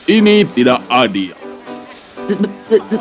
ini tidak adil